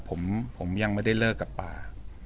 ผมยังไม่ได้เลิกกับป่า